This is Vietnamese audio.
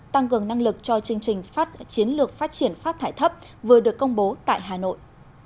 tăng cường năng lực cho chương trình chiến lược phát triển phát thải thấp vừa được công bố tại hà nội